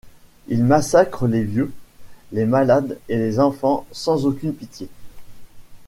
Ils massacrent les vieux, les malades et les enfants sans aucune pitié.